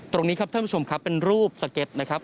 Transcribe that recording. ตรงนี้ครับท่านผู้ชมครับเป็นรูปสเก็ตนะครับ